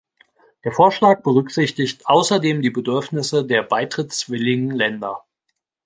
Der Vorschlag berücksichtigt außerdem die Bedürfnisse der beitrittswilligen Länder.